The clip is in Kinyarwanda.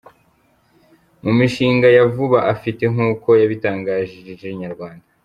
Mu mishinga ya vuba afite nkuko yabitangarije Inyarwanda.